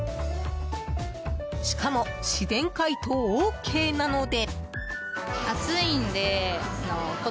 しかも、自然解凍ＯＫなので。